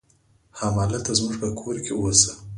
همالته زموږ په کور کې اوسه.